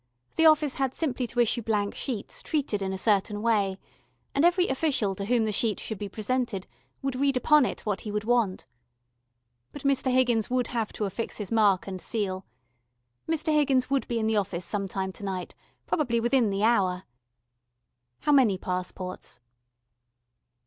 The office had simply to issue blank sheets treated in a certain way, and every official to whom the sheet should be presented would read upon it what he would want. But Mr. Higgins would have to affix his mark and seal. Mr. Higgins would be in the office sometime to night, probably within the hour. How many passports?